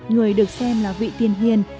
người được xem là vị tiền hiền